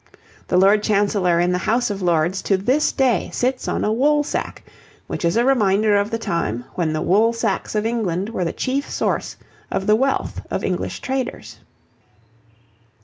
The Lord Chancellor in the House of Lords to this day sits on a woolsack, which is a reminder of the time when the woolsacks of England were the chief source of the wealth of English traders.